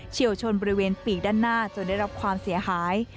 เชี่ยวชนบริเวณปีกด้านหน้าจนได้รับความเสียหาย